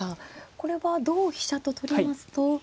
これは同飛車と取りますと。